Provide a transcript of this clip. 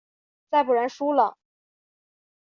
再不然输了？